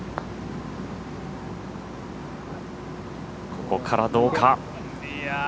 ここからどうか。